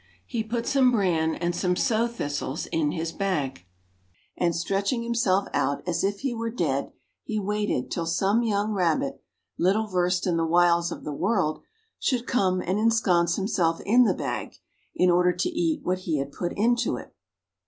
He put some bran and some sow thistles in his bag, and stretching himself out as if he were dead, he waited till some young rabbit, little versed in the wiles of the world, should come and ensconce himself in the bag, in order to eat what he had put into it.